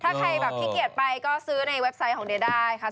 ถ้าใครแบบขี้เกียจไปก็ซื้อในเว็บไซต์ของเดียได้ค่ะ